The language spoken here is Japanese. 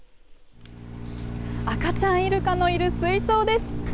赤ちゃんいるかのいる水槽です。